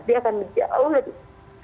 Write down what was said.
dia akan jauh lebih